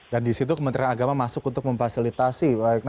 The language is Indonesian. dan di situ kementerian agama masuk untuk memfasilitasi baik